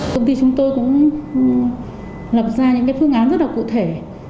công ty chúng tôi cũng lập ra những phương án rất là cụ thể